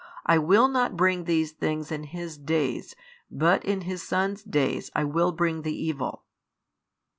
I will not bring these things in his days, but in his son's days I will bring the evil.